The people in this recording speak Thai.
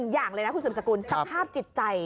๑อย่างเลยน่ะคุณศูปิ์สกุลสภาพจิตใจ